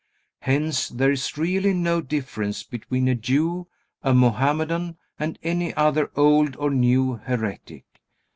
Hence, there is really no difference between a Jew, a Mohammedan, and any other old or new heretic.